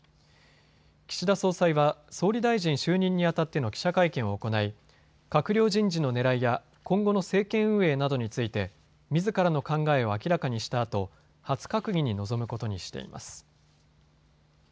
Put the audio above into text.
岸田総裁は総理大臣就任にあたっての記者会見を行い閣僚人事のねらいや今後の政権運営などについてみずからの考えを明らかにしたあと初閣議に臨むことにしています。